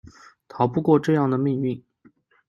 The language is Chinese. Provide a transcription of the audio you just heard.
逃不过这样的命运